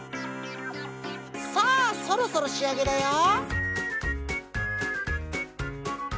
さあそろそろしあげだよ。